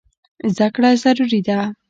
زده کړه ضروري ده.